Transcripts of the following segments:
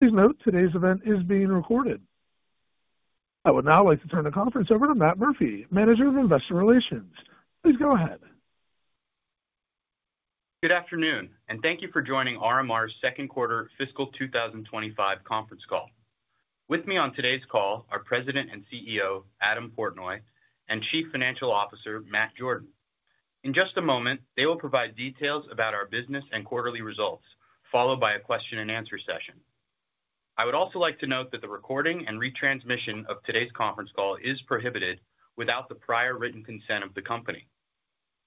Please note, today's event is being recorded. I would now like to turn the conference over to Matt Murphy, Manager of Investor Relations. Please go ahead. Good afternoon, and thank you for joining RMR's second quarter fiscal 2025 conference call. With me on today's call are President and CEO Adam Portnoy and Chief Financial Officer Matt Jordan. In just a moment, they will provide details about our business and quarterly results, followed by a question-and-answer session. I would also like to note that the recording and retransmission of today's conference call is prohibited without the prior written consent of the company.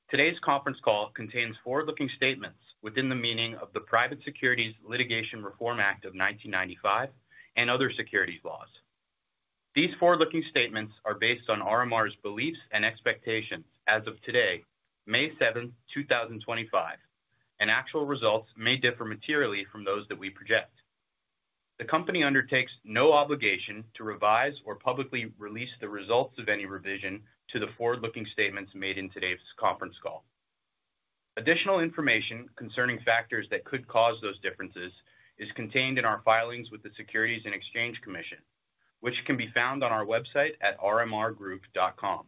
Today's conference call contains forward-looking statements within the meaning of the Private Securities Litigation Reform Act of 1995 and other securities laws. These forward-looking statements are based on RMR's beliefs and expectations as of today, May 7, 2025, and actual results may differ materially from those that we project. The company undertakes no obligation to revise or publicly release the results of any revision to the forward-looking statements made in today's conference call. Additional information concerning factors that could cause those differences is contained in our filings with the Securities and Exchange Commission, which can be found on our website at rmrgroup.com.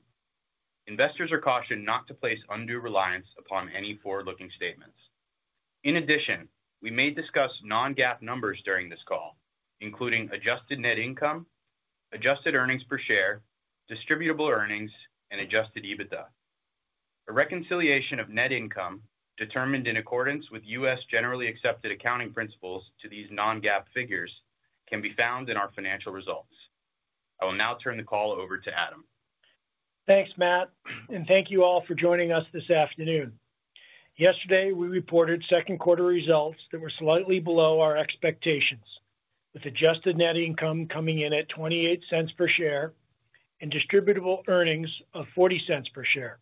Investors are cautioned not to place undue reliance upon any forward-looking statements. In addition, we may discuss non-GAAP numbers during this call, including adjusted net income, adjusted earnings per share, distributable earnings, and adjusted EBITDA. A reconciliation of net income determined in accordance with U.S. generally accepted accounting principles to these non-GAAP figures can be found in our financial results. I will now turn the call over to Adam. Thanks, Matt, and thank you all for joining us this afternoon. Yesterday, we reported second quarter results that were slightly below our expectations, with adjusted net income coming in at $0.28 per share and distributable earnings of $0.40 per share.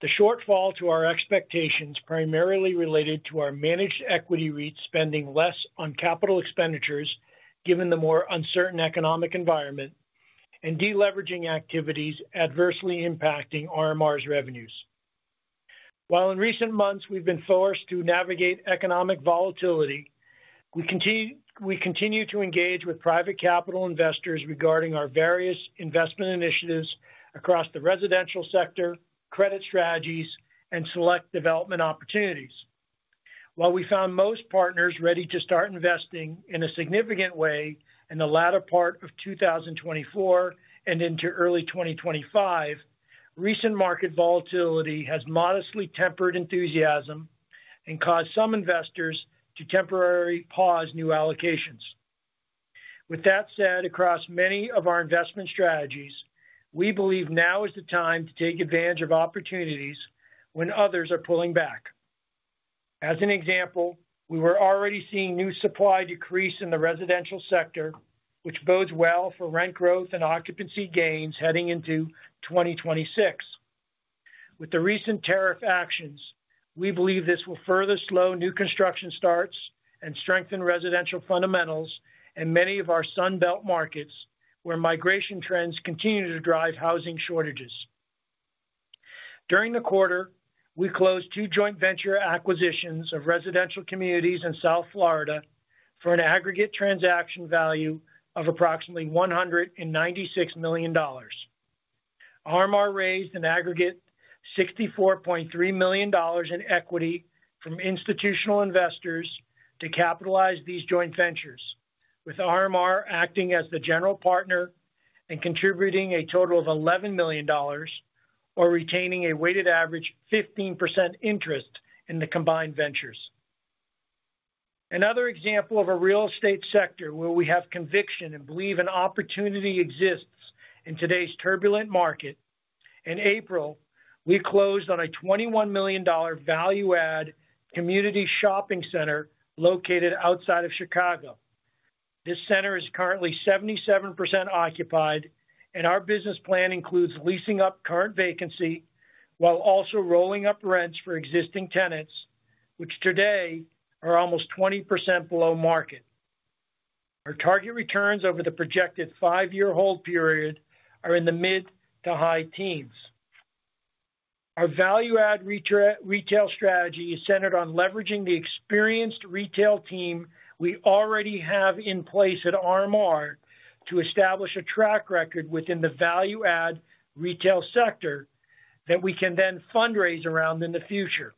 The shortfall to our expectations primarily related to our managed equity REITs spending less on CapEx, given the more uncertain economic environment, and deleveraging activities adversely impacting RMR's revenues. While in recent months we've been forced to navigate economic volatility, we continue to engage with private capital investors regarding our various investment initiatives across the residential sector, credit strategies, and select development opportunities. While we found most partners ready to start investing in a significant way in the latter part of 2024 and into early 2025, recent market volatility has modestly tempered enthusiasm and caused some investors to temporarily pause new allocations. With that said, across many of our investment strategies, we believe now is the time to take advantage of opportunities when others are pulling back. As an example, we were already seeing new supply decrease in the residential sector, which bodes well for rent growth and occupancy gains heading into 2026. With the recent tariff actions, we believe this will further slow new construction starts and strengthen residential fundamentals in many of our Sunbelt markets, where migration trends continue to drive housing shortages. During the quarter, we closed two joint venture acquisitions of residential communities in South Florida for an aggregate transaction value of approximately $196 million. RMR raised an aggregate $64.3 million in equity from institutional investors to capitalize these joint ventures, with RMR acting as the general partner and contributing a total of $11 million, or retaining a weighted average 15% interest in the combined ventures. Another example of a real estate sector where we have conviction and believe an opportunity exists in today's turbulent market: in April, we closed on a $21 million value-add community shopping center located outside of Chicago. This center is currently 77% occupied, and our business plan includes leasing up current vacancy while also rolling up rents for existing tenants, which today are almost 20% below market. Our target returns over the projected five-year hold period are in the mid to high teens. Our value-add retail strategy is centered on leveraging the experienced retail team we already have in place at RMR to establish a track record within the value-add retail sector that we can then fundraise around in the future.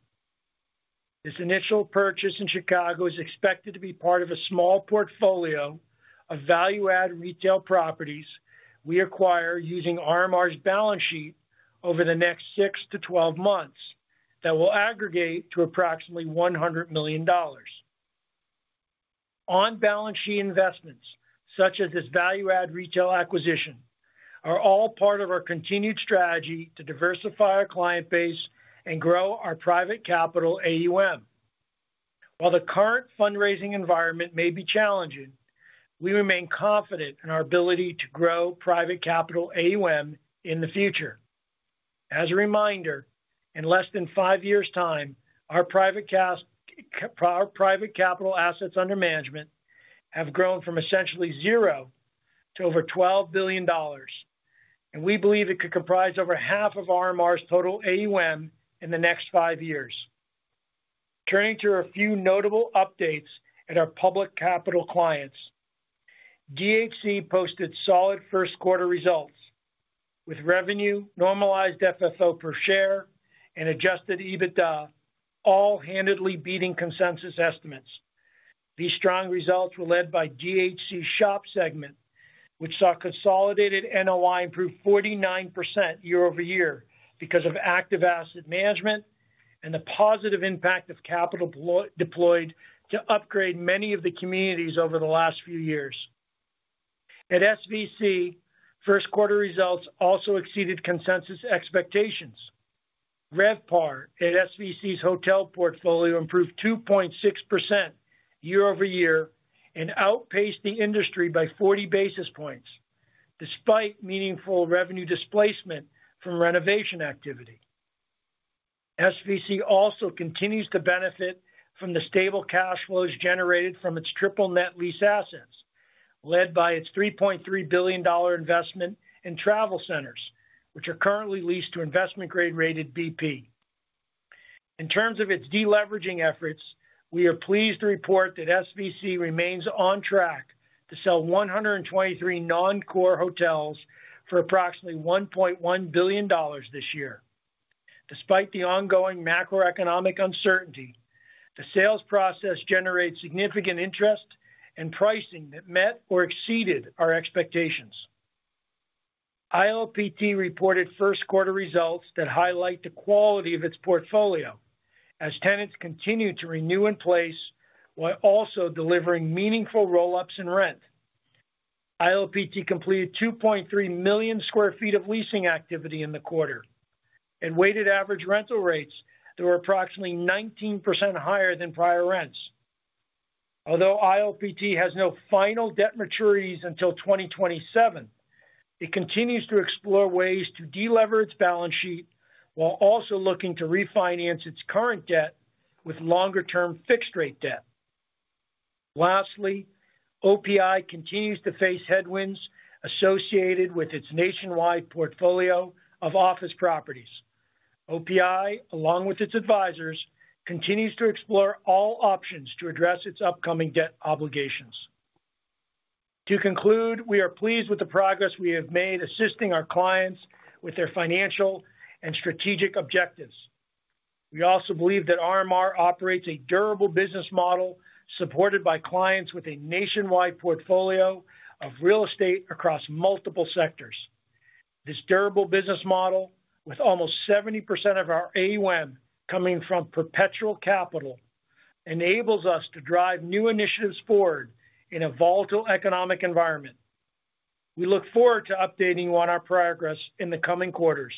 This initial purchase in Chicago is expected to be part of a small portfolio of value-add retail properties we acquire using RMR's balance sheet over the next six-12 months that will aggregate to approximately $100 million. On-balance sheet investments, such as this value-add retail acquisition, are all part of our continued strategy to diversify our client base and grow our private capital AUM. While the current fundraising environment may be challenging, we remain confident in our ability to grow private capital AUM in the future. As a reminder, in less than five years' time, our private capital assets under management have grown from essentially zero to over $12 billion, and we believe it could comprise over half of RMR's total AUM in the next five years. Turning to a few notable updates at our public capital clients, GHC posted solid first quarter results, with revenue, normalized FFO per share, and adjusted EBITDA all handedly beating consensus estimates. These strong results were led by GHC's shop segment, which saw consolidated NOI improve 49% year-over-year because of active asset management and the positive impact of capital deployed to upgrade many of the communities over the last few years. At SVC, first quarter results also exceeded consensus expectations. RevPAR at SVC's hotel portfolio improved 2.6% year-over-year and outpaced the industry by 40 basis points, despite meaningful revenue displacement from renovation activity. SVC also continues to benefit from the stable cash flows generated from its triple net lease assets, led by its $3.3 billion investment in travel centers, which are currently leased to investment-grade rated BP. In terms of its deleveraging efforts, we are pleased to report that SVC remains on track to sell 123 non-core hotels for approximately $1.1 billion this year. Despite the ongoing macroeconomic uncertainty, the sales process generates significant interest and pricing that met or exceeded our expectations. ILPT reported first quarter results that highlight the quality of its portfolio, as tenants continue to renew in place while also delivering meaningful roll-ups in rent. ILPT completed 2.3 million sq ft of leasing activity in the quarter, and weighted average rental rates that were approximately 19% higher than prior rents. Although ILPT has no final debt maturities until 2027, it continues to explore ways to deleverage its balance sheet while also looking to refinance its current debt with longer-term fixed-rate debt. Lastly, OPI continues to face headwinds associated with its nationwide portfolio of office properties. OPI, along with its advisors, continues to explore all options to address its upcoming debt obligations. To conclude, we are pleased with the progress we have made assisting our clients with their financial and strategic objectives. We also believe that RMR operates a durable business model supported by clients with a nationwide portfolio of real estate across multiple sectors. This durable business model, with almost 70% of our AUM coming from perpetual capital, enables us to drive new initiatives forward in a volatile economic environment. We look forward to updating you on our progress in the coming quarters.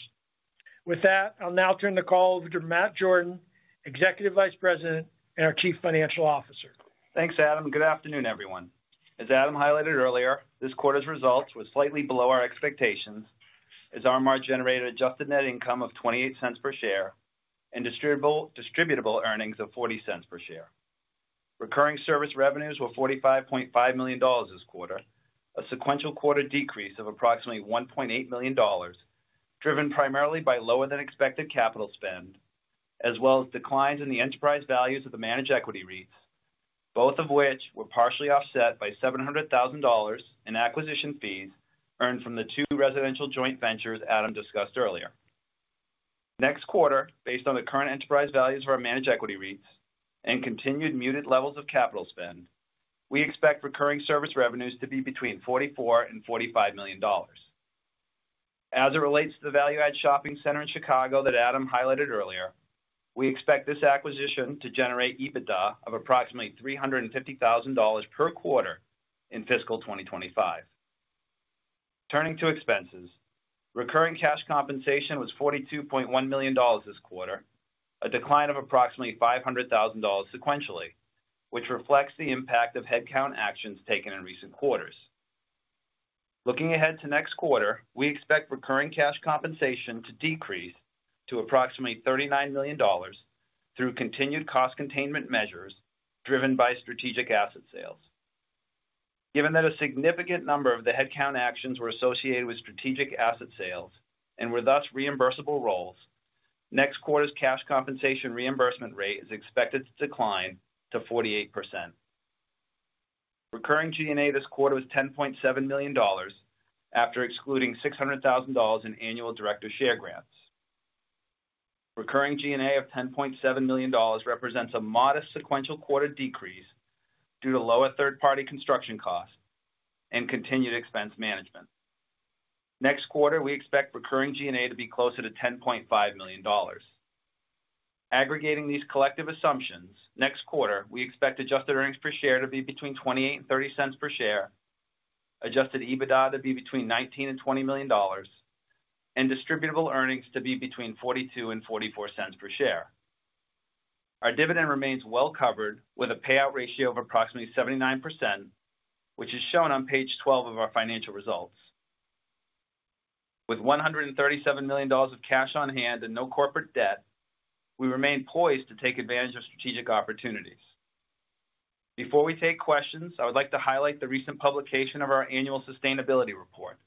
With that, I'll now turn the call over to Matt Jordan, Executive Vice President and our Chief Financial Officer. Thanks, Adam. Good afternoon, everyone. As Adam highlighted earlier, this quarter's results were slightly below our expectations as RMR generated adjusted net income of $0.28 per share and distributable earnings of $0.40 per share. Recurring service revenues were $45.5 million this quarter, a sequential quarter decrease of approximately $1.8 million, driven primarily by lower-than-expected capital spend, as well as declines in the enterprise values of the managed equity REITs, both of which were partially offset by $700,000 in acquisition fees earned from the two residential joint ventures Adam discussed earlier. Next quarter, based on the current enterprise values of our managed equity REITs and continued muted levels of capital spend, we expect recurring service revenues to be between $44 million and $45 million. As it relates to the value-add shopping center in Chicago that Adam highlighted earlier, we expect this acquisition to generate EBITDA of approximately $350,000 per quarter in fiscal 2025. Turning to expenses, recurring cash compensation was $42.1 million this quarter, a decline of approximately $500,000 sequentially, which reflects the impact of headcount actions taken in recent quarters. Looking ahead to next quarter, we expect recurring cash compensation to decrease to approximately $39 million through continued cost containment measures driven by strategic asset sales. Given that a significant number of the headcount actions were associated with strategic asset sales and were thus reimbursable roles, next quarter's cash compensation reimbursement rate is expected to decline to 48%. Recurring G&A this quarter was $10.7 million after excluding $600,000 in annual director share grants. Recurring G&A of $10.7 million represents a modest sequential quarter decrease due to lower third-party construction costs and continued expense management. Next quarter, we expect recurring G&A to be closer to $10.5 million. Aggregating these collective assumptions, next quarter, we expect adjusted earnings per share to be between $0.28 and $0.30 per share, adjusted EBITDA to be between $19 million and $20 million, and distributable earnings to be between $0.42 and $0.44 per share. Our dividend remains well covered with a payout ratio of approximately 79%, which is shown on page 12 of our financial results. With $137 million of cash on hand and no corporate debt, we remain poised to take advantage of strategic opportunities. Before we take questions, I would like to highlight the recent publication of our annual sustainability report.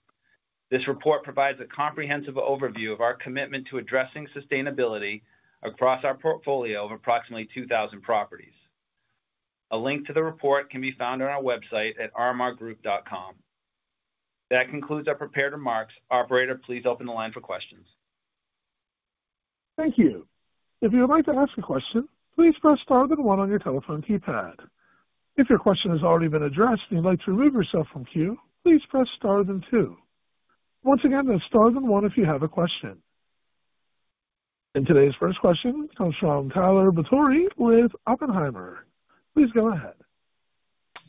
This report provides a comprehensive overview of our commitment to addressing sustainability across our portfolio of approximately 2,000 properties. A link to the report can be found on our website at rmrgroup.com. That concludes our prepared remarks. Operator, please open the line for questions. Thank you. If you would like to ask a question, please press * then 1 on your telephone keypad. If your question has already been addressed and you'd like to remove yourself from queue, please press * then 2. Once again, that's * then 1 if you have a question. Today's first question comes from Tyler Batory with Oppenheimer. Please go ahead.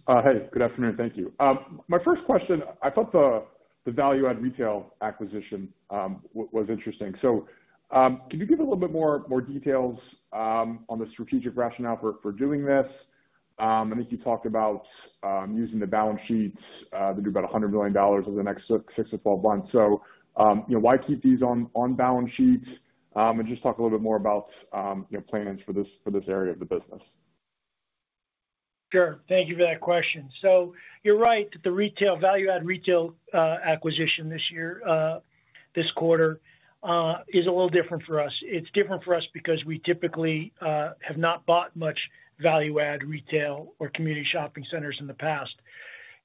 Hey, good afternoon. Thank you. My first question, I thought the value-add retail acquisition was interesting. Can you give a little bit more details on the strategic rationale for doing this? I think you talked about using the balance sheets to do about $100 million over the next six-12 months. Why keep these on balance sheets? Just talk a little bit more about plans for this area of the business. Sure. Thank you for that question. You're right that the value-add retail acquisition this quarter is a little different for us. It's different for us because we typically have not bought much value-add retail or community shopping centers in the past.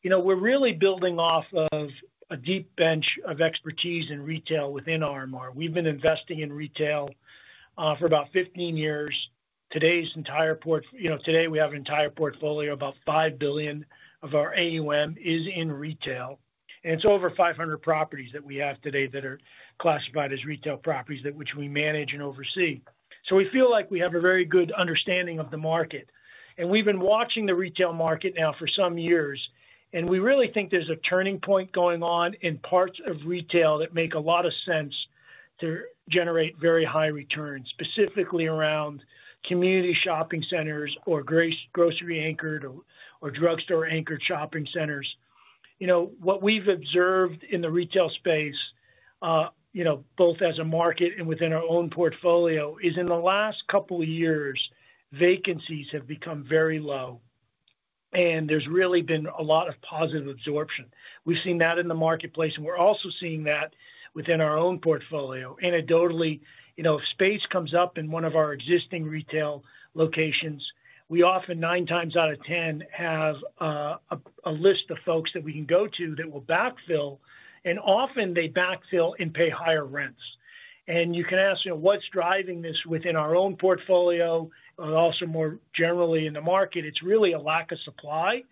We're really building off of a deep bench of expertise in retail within RMR. We've been investing in retail for about 15 years. Today, we have an entire portfolio of about $5 billion of our AUM in retail. It's over 500 properties that we have today that are classified as retail properties that we manage and oversee. We feel like we have a very good understanding of the market. We've been watching the retail market now for some years. We really think there's a turning point going on in parts of retail that make a lot of sense to generate very high returns, specifically around community shopping centers or grocery-anchored or drugstore-anchored shopping centers. What we've observed in the retail space, both as a market and within our own portfolio, is in the last couple of years, vacancies have become very low, and there's really been a lot of positive absorption. We've seen that in the marketplace, and we're also seeing that within our own portfolio. Anecdotally, if space comes up in one of our existing retail locations, we often, nine times out of ten, have a list of folks that we can go to that will backfill. Often, they backfill and pay higher rents. You can ask, what's driving this within our own portfolio? Also, more generally in the market, it's really a lack of supply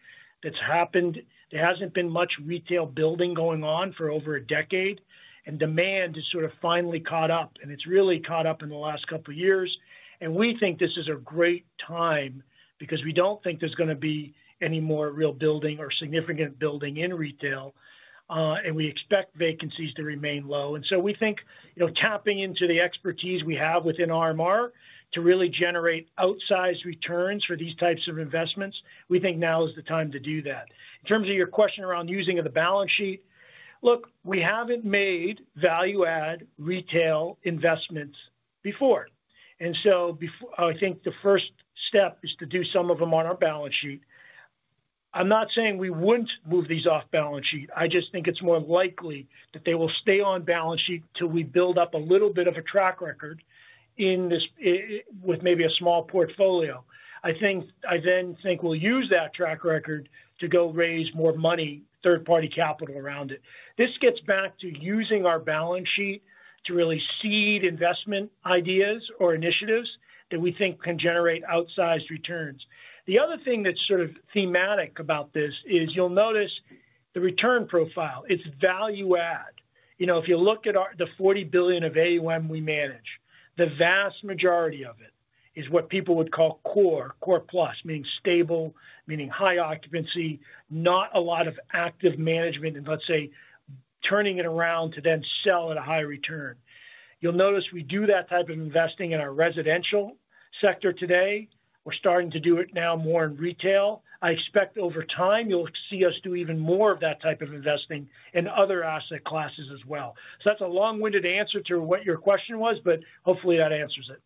that's happened. There hasn't been much retail building going on for over a decade, and demand has sort of finally caught up. It's really caught up in the last couple of years. We think this is a great time because we don't think there's going to be any more real building or significant building in retail. We expect vacancies to remain low. We think tapping into the expertise we have within RMR to really generate outsized returns for these types of investments, we think now is the time to do that. In terms of your question around using the balance sheet, look, we haven't made value-add retail investments before. I think the first step is to do some of them on our balance sheet. I'm not saying we wouldn't move these off balance sheet. I just think it's more likely that they will stay on balance sheet until we build up a little bit of a track record with maybe a small portfolio. I then think we'll use that track record to go raise more money, third-party capital around it. This gets back to using our balance sheet to really seed investment ideas or initiatives that we think can generate outsized returns. The other thing that's sort of thematic about this is you'll notice the return profile. It's value-add. If you look at the $40 billion of AUM we manage, the vast majority of it is what people would call core, core plus, meaning stable, meaning high occupancy, not a lot of active management and, let's say, turning it around to then sell at a high return. You'll notice we do that type of investing in our residential sector today. We're starting to do it now more in retail. I expect over time, you'll see us do even more of that type of investing in other asset classes as well. That's a long-winded answer to what your question was, but hopefully that answers it.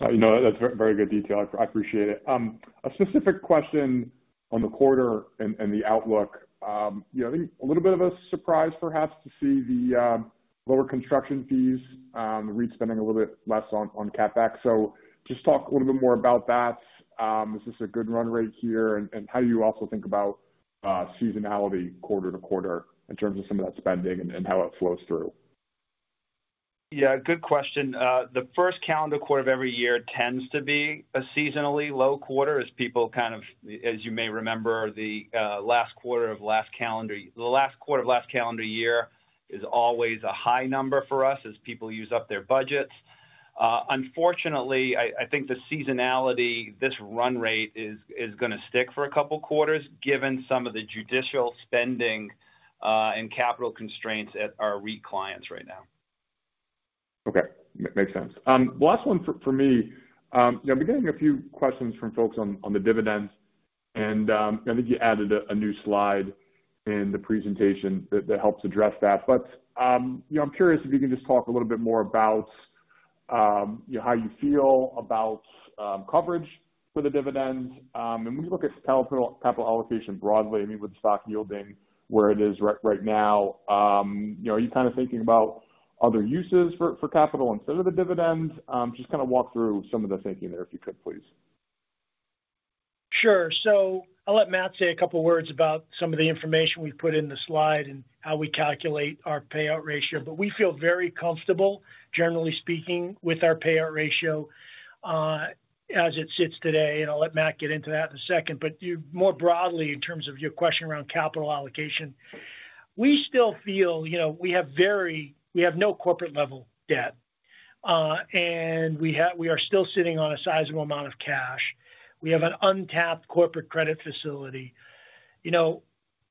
That's very good detail. I appreciate it. A specific question on the quarter and the outlook. I think a little bit of a surprise, perhaps, to see the lower construction fees, REITs spending a little bit less on CapEx. Just talk a little bit more about that. Is this a good run rate here? How do you also think about seasonality quarter to quarter in terms of some of that spending and how it flows through? Yeah, good question. The first calendar quarter of every year tends to be a seasonally low quarter, as people kind of, as you may remember, the last quarter of last calendar year. The last quarter of last calendar year is always a high number for us as people use up their budgets. Unfortunately, I think the seasonality, this run rate is going to stick for a couple of quarters, given some of the judicial spending and capital constraints at our REIT clients right now. Okay. Makes sense. Last one for me. I'm getting a few questions from folks on the dividends. I think you added a new slide in the presentation that helps address that. I'm curious if you can just talk a little bit more about how you feel about coverage for the dividends. When you look at capital allocation broadly, I mean, with the stock yielding where it is right now, are you kind of thinking about other uses for capital instead of the dividends? Just kind of walk through some of the thinking there if you could, please. Sure. I'll let Matt say a couple of words about some of the information we've put in the slide and how we calculate our payout ratio. We feel very comfortable, generally speaking, with our payout ratio as it sits today. I'll let Matt get into that in a second. More broadly, in terms of your question around capital allocation, we still feel we have no corporate-level debt. We are still sitting on a sizable amount of cash. We have an untapped corporate credit facility.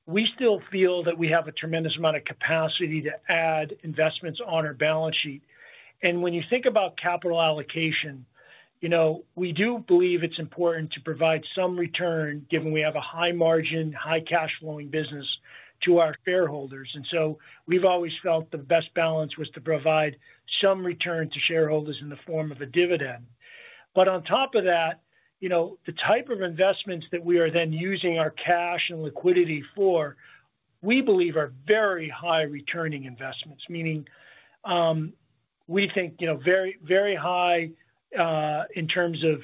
We still feel that we have a tremendous amount of capacity to add investments on our balance sheet. When you think about capital allocation, we do believe it's important to provide some return, given we have a high-margin, high-cash-flowing business to our shareholders. We've always felt the best balance was to provide some return to shareholders in the form of a dividend. On top of that, the type of investments that we are then using our cash and liquidity for, we believe, are very high-returning investments, meaning we think very high in terms of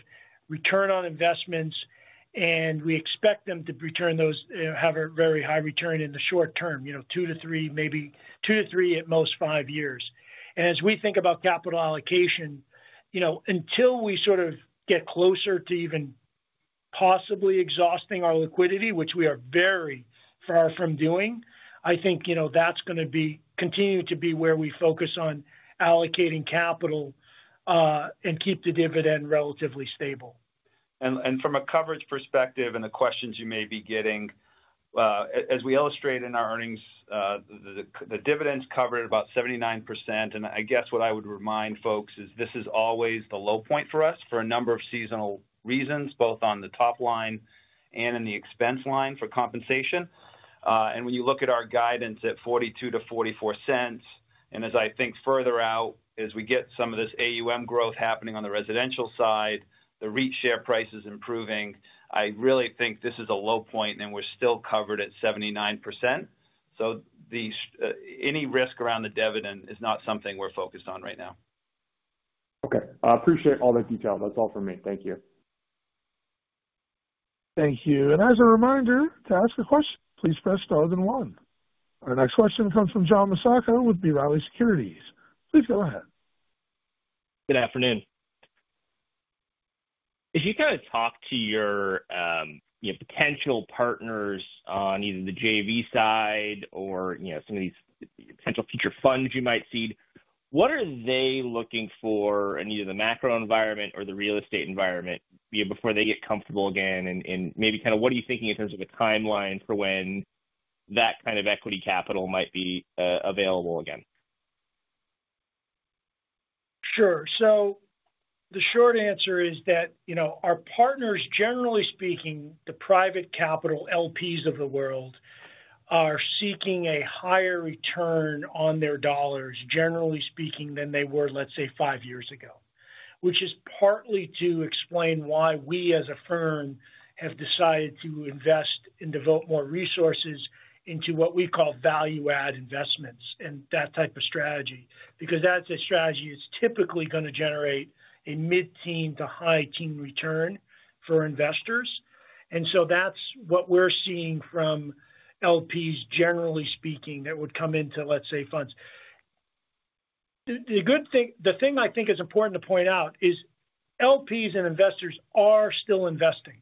return on investments. We expect them to have a very high return in the short term, two to three, maybe two to three, at most, five years. As we think about capital allocation, until we sort of get closer to even possibly exhausting our liquidity, which we are very far from doing, I think that's going to continue to be where we focus on allocating capital and keep the dividend relatively stable. From a coverage perspective and the questions you may be getting, as we illustrate in our earnings, the dividends covered about 79%. I guess what I would remind folks is this is always the low point for us for a number of seasonal reasons, both on the top line and in the expense line for compensation. When you look at our guidance at $0.42-$0.44, and as I think further out, as we get some of this AUM growth happening on the residential side, the REIT share price is improving, I really think this is a low point, and we're still covered at 79%. Any risk around the dividend is not something we're focused on right now. Okay. I appreciate all that detail. That's all for me. Thank you. Thank you. As a reminder, to ask a question, please press * then 1. Our next question comes from John Massocca with B. Riley Securities. Please go ahead. Good afternoon. If you kind of talk to your potential partners on either the JV side or some of these potential future funds you might seed, what are they looking for in either the macro environment or the real estate environment before they get comfortable again? Maybe kind of what are you thinking in terms of a timeline for when that kind of equity capital might be available again? Sure. The short answer is that our partners, generally speaking, the private capital LPs of the world, are seeking a higher return on their dollars, generally speaking, than they were, let's say, five years ago, which is partly to explain why we, as a firm, have decided to invest and devote more resources into what we call value-add investments and that type of strategy, because that's a strategy that's typically going to generate a mid-teen to high-teen return for investors. That is what we're seeing from LPs, generally speaking, that would come into, let's say, funds. The thing I think is important to point out is LPs and investors are still investing.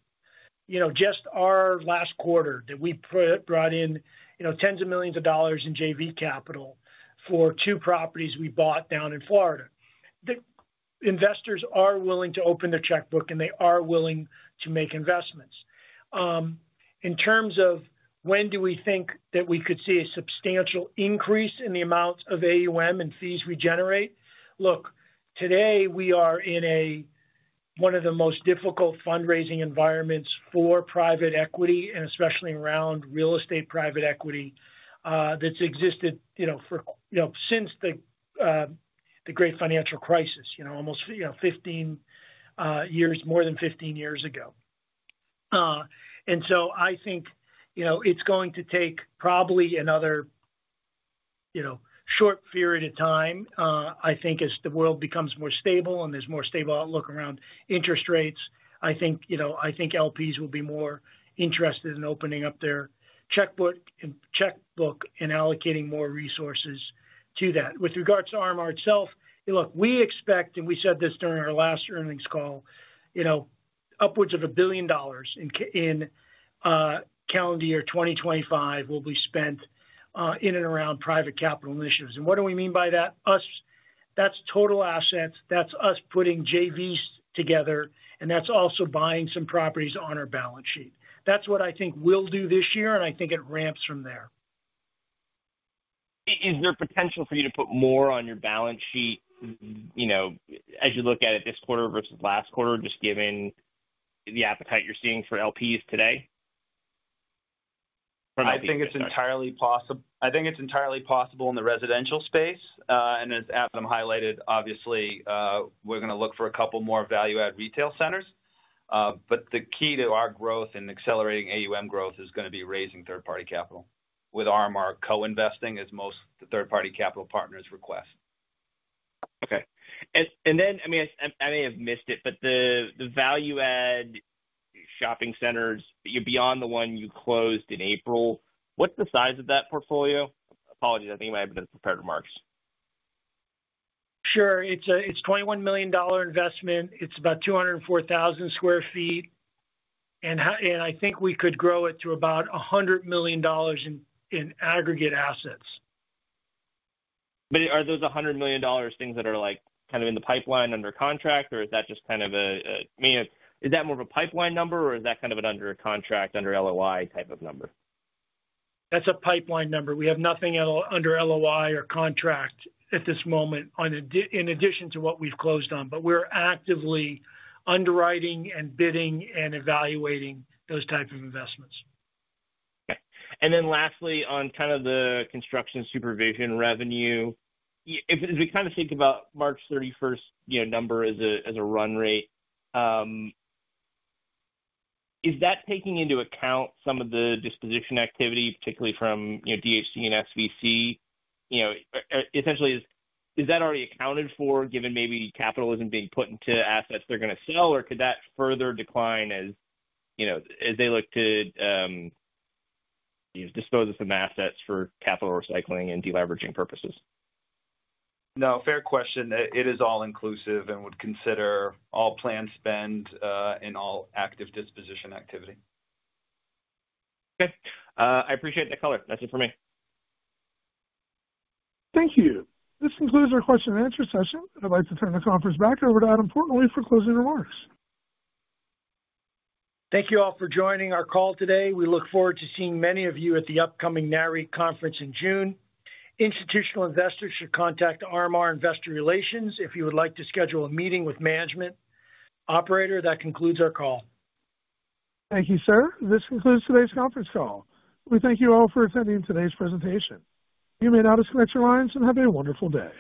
Just our last quarter, that we brought in tens of millions of dollars in JV capital for two properties we bought down in Florida, investors are willing to open their checkbook, and they are willing to make investments. In terms of when do we think that we could see a substantial increase in the amounts of AUM and fees we generate? Look, today, we are in one of the most difficult fundraising environments for private equity, and especially around real estate private equity that's existed since the great financial crisis, almost more than 15 years ago. I think it's going to take probably another short period of time, I think, as the world becomes more stable and there's more stable outlook around interest rates. I think LPs will be more interested in opening up their checkbook and allocating more resources to that. With regards to RMR itself, look, we expect, and we said this during our last earnings call, upwards of $1 billion in calendar year 2025 will be spent in and around private capital initiatives. And what do we mean by that? That is total assets. That is us putting JVs together, and that is also buying some properties on our balance sheet. That is what I think we will do this year, and I think it ramps from there. Is there potential for you to put more on your balance sheet as you look at it this quarter versus last quarter, just given the appetite you're seeing for LPs today? From a big picture? I think it's entirely possible. I think it's entirely possible in the residential space. And as Adam highlighted, obviously, we're going to look for a couple more value-add retail centers. The key to our growth and accelerating AUM growth is going to be raising third-party capital with RMR co-investing as most third-party capital partners request. Okay. I mean, I may have missed it, but the value-add shopping centers beyond the one you closed in April, what's the size of that portfolio? Apologies, I think you might have been prepared for Marks. Sure. It's a $21 million investment. It's about 204,000 sq ft. And I think we could grow it to about $100 million in aggregate assets. Are those $100 million things that are kind of in the pipeline under contract, or is that just kind of a—I mean, is that more of a pipeline number, or is that kind of an under contract, under LOI type of number? That's a pipeline number. We have nothing under LOI or contract at this moment, in addition to what we've closed on. We are actively underwriting and bidding and evaluating those types of investments. Okay. And then lastly, on kind of the construction supervision revenue, if we kind of think about March 31st number as a run rate, is that taking into account some of the disposition activity, particularly from DHC and SVC? Essentially, is that already accounted for, given maybe capital isn't being put into assets they're going to sell, or could that further decline as they look to dispose of some assets for capital recycling and deleveraging purposes? No, fair question. It is all-inclusive and would consider all planned spend and all active disposition activity. Okay. I appreciate that color. That's it for me. Thank you. This concludes our question-and-answer session. I'd like to turn the conference back over to Adam Portnoy for closing remarks. Thank you all for joining our call today. We look forward to seeing many of you at the upcoming NAREE conference in June. Institutional investors should contact RMR Investor Relations if you would like to schedule a meeting with management operator. That concludes our call. Thank you, sir. This concludes today's conference call. We thank you all for attending today's presentation. You may now disconnect your lines and have a wonderful day.